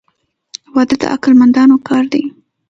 • واده د عقل مندانو کار دی.